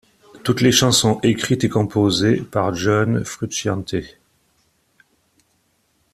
Toutes les chansons écrites et composées par John Frusciante.